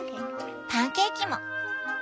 パンケーキも。